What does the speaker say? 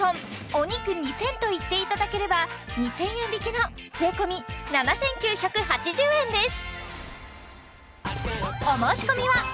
「お肉２０００」と言っていただければ２０００円引きの税込７９８０円です